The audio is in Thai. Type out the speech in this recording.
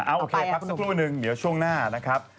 โอเคพักสักครู่หนึ่งเดี๋ยวช่วงหน้านะครับ